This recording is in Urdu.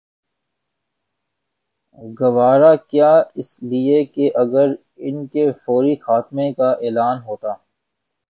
گوارا کیا اس لیے کہ اگر ان کے فوری خاتمے کا اعلان ہوتا